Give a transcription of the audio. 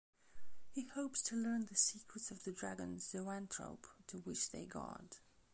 He hopes to learn the secrets of the dragon zoanthrope to which they guard.